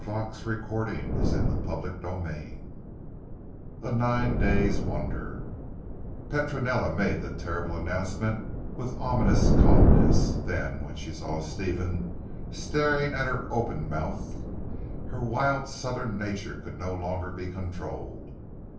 said the old woman. CHAPTER VII A NINE DAYS' WONDER Petronella made the terrible announcement with ominous calmness. Then, when she saw Stephen staring at her open mouthed, her wild southern nature could no longer be controlled.